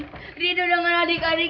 jangan pisahin ritu dengan adik adik